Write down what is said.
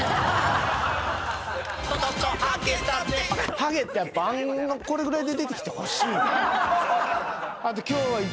ハゲってこれぐらいで出てきてほしい。